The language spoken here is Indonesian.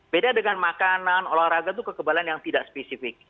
beda dengan makanan olahraga itu kekebalan yang tidak spesifik